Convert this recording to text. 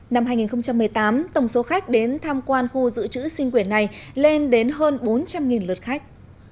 năm hai nghìn một mươi tám tổng số khách đến tham quan khu dự trữ sinh quyển này lên đến hơn bốn trăm linh lượt khách